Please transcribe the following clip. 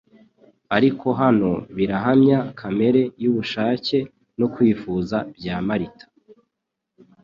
Ariko hano birahamya kamere y'ubushake no kwifuza bya Marita.